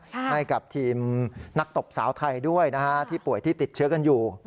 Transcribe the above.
ให้กับทีมนักตบสาวไทยด้วยที่ป่วยที่ติดเชื้อกันอยู่